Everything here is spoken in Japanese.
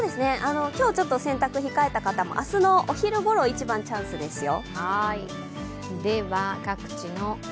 今日、洗濯控えた方も明日のお昼ごろ、一番チャンスですよ。